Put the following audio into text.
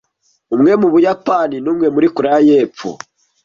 umwe mu Buyapani n'umwe muri Koreya y'Epfo